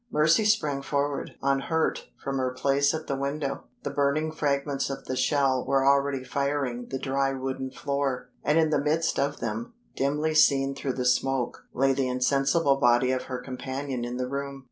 Mercy sprang forward, unhurt, from her place at the window. The burning fragments of the shell were already firing the dry wooden floor, and in the midst of them, dimly seen through the smoke, lay the insensible body of her companion in the room.